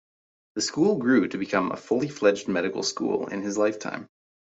The school grew to become a fully fledged Medical School in his lifetime.